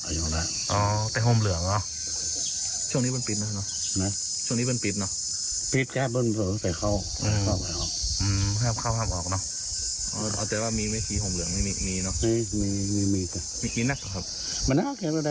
เหมือนมีติดทำพิธีนี้อย่างตลอด